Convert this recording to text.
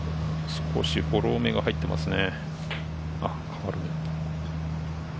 少しフォローめが入ってますね。